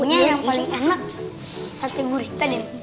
kayaknya yang paling enak sate gurita nih